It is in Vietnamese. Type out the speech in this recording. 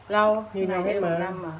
lâu để được một năm mà